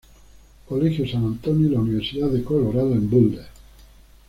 Colegio San Antonio y la Universidad de Colorado en Boulder.